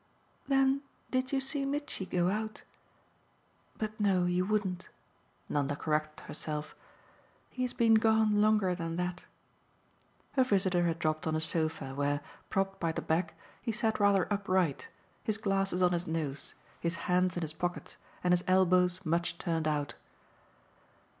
"Then did you see Mitchy go out? But no, you wouldn't" Nanda corrected herself. "He has been gone longer than that." Her visitor had dropped on a sofa where, propped by the back, he sat rather upright, his glasses on his nose, his hands in his pockets and his elbows much turned out.